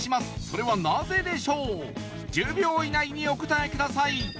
それはなぜでしょう１０秒以内にお答えください